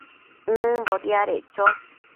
nëmbo diadeccho